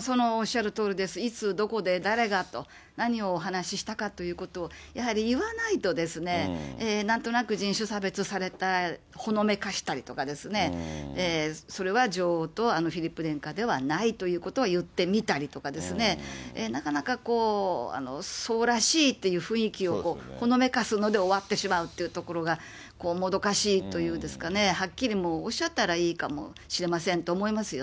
そのおっしゃるとおりです、いつどこで誰がと、何をお話ししたかとやはり言わないとですね、なんとなく人種差別された、ほのめかしたりですとかね、それは女王とフリップ殿下ではないということはいってみたりですとかね、なかなかそうらしいという雰囲気をほのめかすので終わってしまうというところが、もどかしいというんですかね、はっきりもうおっしゃったらいいかもしれませんと思いますよね。